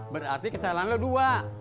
berarti kesalahan lu dua